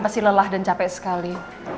pasti lelah dan capek sekali